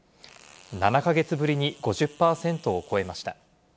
７か月ぶりに５０％を超えました。